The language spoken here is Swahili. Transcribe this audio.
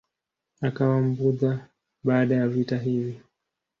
Akawa Mbudha baada ya vita hivi.